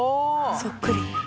そっくり。